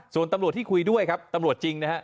ส่วนตำรวจที่คุยด้วยครับตำรวจจริงนะฮะ